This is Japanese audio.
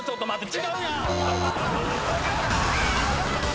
違うやん！